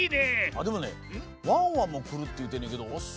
あっでもねワンワンもくるっていうてんねんけどおそいよな。